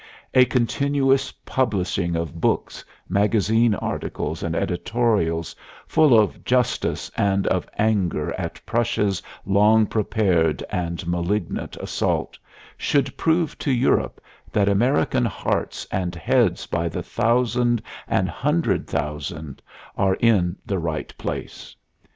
A continuous publishing of books, magazine articles and editorials, full of justice and of anger at Prussia's long prepared and malignant assault, should prove to Europe that American hearts and heads by the thousand and hundred thousand are in the right place.